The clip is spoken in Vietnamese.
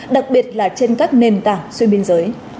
đặc biệt là trên các nền tảng xuyên biên giới